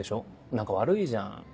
何か悪いじゃん。